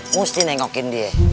mesti nengokin dia